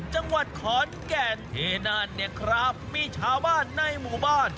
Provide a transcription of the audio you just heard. จังหวัดขอนแก่นที่นั่นเนี่ยครับมีชาวบ้านในหมู่บ้าน